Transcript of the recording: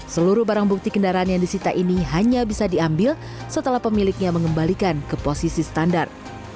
seluruh barang bukti kendaraan yang disita ini hanya bisa diambil setelah pemiliknya mengembalikan ke posisi standar